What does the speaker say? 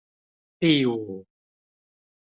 第五